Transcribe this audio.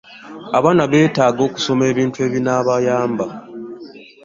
abaana beetaaga okusoma ebintu ebinabayamba